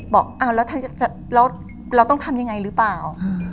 บอกเราต้องทำยังไงหรือเปล่า